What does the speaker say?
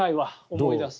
思い出すと。